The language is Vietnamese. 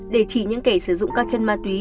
để chỉ những kẻ sử dụng các chân ma túy